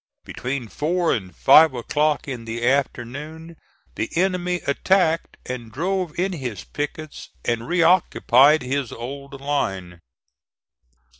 Between four and five o'clock in the afternoon the enemy attacked and drove in his pickets and re occupied his old line.